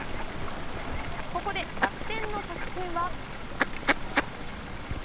ここで楽天の作戦は。